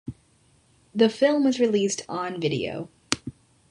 The film was released on video.